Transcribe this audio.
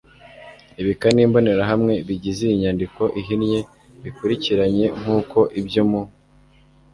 ibika n'imbonerahamwe bigize iyi nyandiko ihinnye bikurikiranye nk'uko ibyo mu